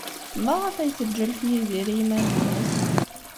Maɣef ay teǧǧamt Yidir i yiman-nnes?